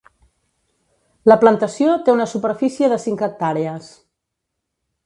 La plantació té una superfície de cinc hectàrees.